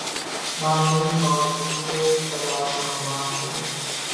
نہ ہی معزز وکلا صاحبان کے۔